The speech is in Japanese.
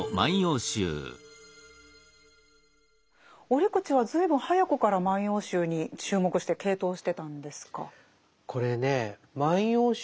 折口は随分早くから「万葉集」に注目して傾倒してたんですか？